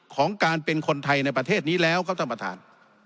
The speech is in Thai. ของการเป็นคนไทยในประเทศนี้แล้วครับท่านประธาน